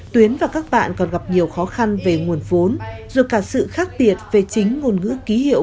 tuyến và các bạn còn gặp nhiều khó khăn về nguồn vốn dù cả sự khác biệt về chính ngôn ngữ ký hiệu